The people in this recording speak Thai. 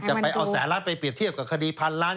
ไปเอาแสนล้านไปเปรียบเทียบกับคดีพันล้าน